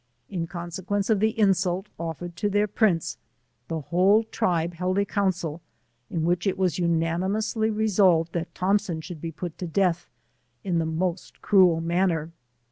In consequence of the insult offered to their prince, the whole tribe held a council, in which it was unanimously resolved that Thompson should be put to death in the most cruel manner.